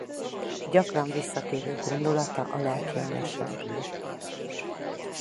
Gyakran visszatérő gondolata a lelki anyaság.